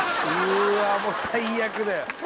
うわもう最悪だよ